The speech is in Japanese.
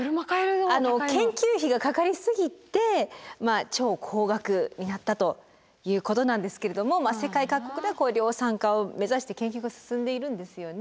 研究費がかかりすぎて超高額になったということなんですけれども世界各国で量産化を目指して研究が進んでいるんですよね。